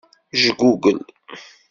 Jgugel.